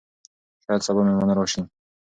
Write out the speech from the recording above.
شاید سبا مېلمانه راشي.